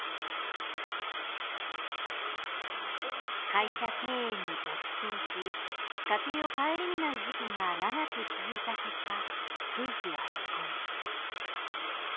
会社経営に没頭し家庭を顧みない時期が長く続いた結果夫婦は離婚。